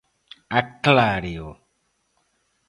Acláreo.